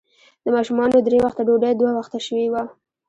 د ماشومانو درې وخته ډوډۍ، دوه وخته شوې وه.